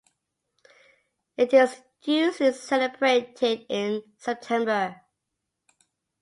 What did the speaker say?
It is usually celebrated in September.